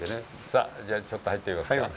さあじゃあちょっと入ってみますか。